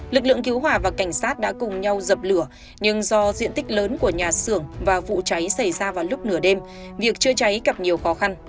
lực lượng cứu hỏa và cảnh sát đã cùng nhau dập lửa nhưng do diện tích lớn của nhà xưởng và vụ cháy xảy ra vào lúc nửa đêm việc chữa cháy gặp nhiều khó khăn